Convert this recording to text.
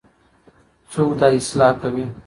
څوک دا اصلاح کوي؟